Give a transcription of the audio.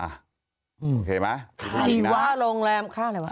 เห็นไหม